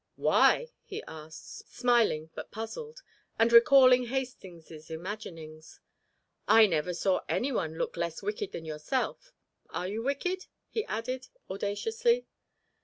"Why?" he asked, smiling but puzzled, and recalling Hastings' imaginings. "I never saw any one look less wicked than yourself. Are you wicked?" he added, audaciously.